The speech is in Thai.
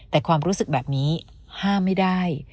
แต่ความรู้สึกแบบนี้ห้ามไม่ได้